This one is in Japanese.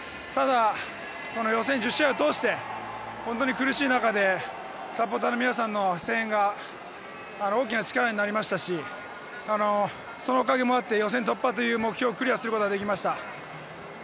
ただ、予選１０試合を通して本当に苦しい中でサポーターの皆さんの声援が大きな力になりましたしそのおかげもあって予選突破という目標をクリアすることができました。